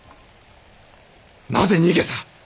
なぜ逃げた？